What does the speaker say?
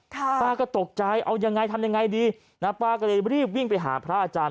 ป้าก็ตกใจเอายังไงทำยังไงดีนะป้าก็เลยรีบวิ่งไปหาพระอาจารย์